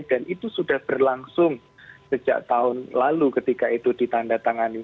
dan itu sudah berlangsung sejak tahun lalu ketika itu ditandatangani